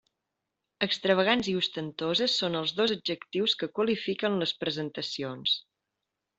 Extravagants i ostentoses són els dos adjectius que qualifiquen les presentacions.